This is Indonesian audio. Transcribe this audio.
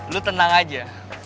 lu tenang aja